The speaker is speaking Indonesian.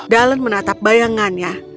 dallon menatap bayangannya